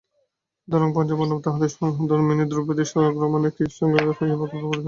সুতরাং পঞ্চপাণ্ডব ও তাঁহাদের সহধর্মিণী দ্রৌপদী স্বর্গগমনে কৃতসঙ্কল্প হইয়া বল্কল পরিধান করিয়া যাত্রা করিলেন।